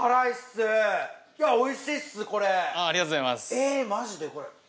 えぇマジでこれ。